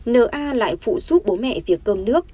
n a lại phụ giúp bố mẹ việc cơm nước